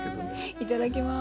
いただきます。